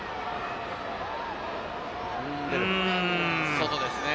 外ですかね？